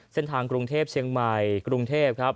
เส้นทางกรุงเทพเชียงใหม่กรุงเทพครับ